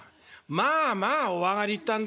『まあまあお上がり』言ったんだよ」。